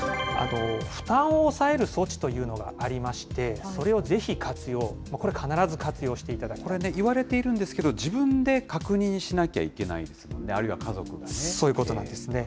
負担を抑える措置というのがありまして、それをぜひ活用、これね、言われているんですけれども、自分で確認しなきゃいけないですもんね、あるいは家族そういうことなんですね。